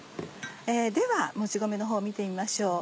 ではもち米のほう見てみましょう。